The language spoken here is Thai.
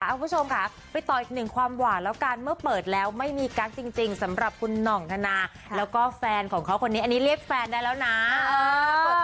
คุณผู้ชมค่ะไปต่ออีกหนึ่งความหวานแล้วกันเมื่อเปิดแล้วไม่มีกั๊กจริงสำหรับคุณหน่องธนาแล้วก็แฟนของเขาคนนี้อันนี้เรียกแฟนได้แล้วนะ